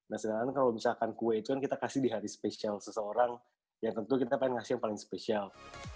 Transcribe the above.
nah sedangkan kalau misalkan kue itu kan kita kasih di hari spesial seseorang ya tentu kita pengen ngasih yang paling spesial